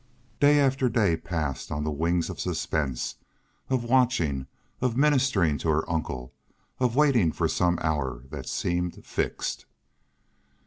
Day after day passed on the wings of suspense, of watching, of ministering to her uncle, of waiting for some hour that seemed fixed.